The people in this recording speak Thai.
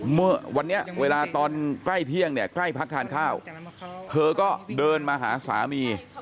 เมื่อวันนี้เวลาตอนใกล้เที่ยงเนี่ยใกล้พักทานข้าวเธอก็เดินมาหาสามี